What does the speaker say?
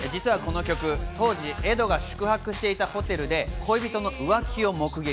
実はこの曲、当時宿泊していたホテルで恋人の浮気を目撃。